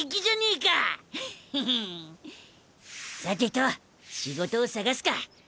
さてと仕事を探すか。